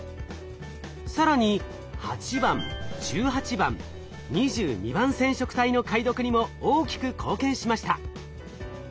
更に８番１８番２２番染色体の解読にも大きく貢献しました。